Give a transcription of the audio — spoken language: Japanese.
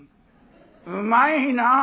「うまいなあ。